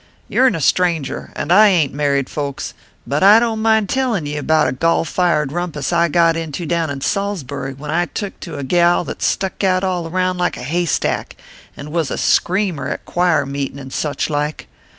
You rn a stranger, and ain t married folks ; but I don t mind tellin ye about a golfired rumpus I got into down in Salsbury when I .took to a gal that stuck out all around like a hay stack, an was a screamer at choir meetin and such like.